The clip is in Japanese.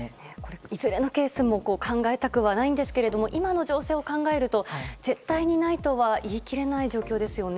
いずれのケースも考えたくはないんですが今の情勢を考えると絶対にないとは言い切れない状況ですよね。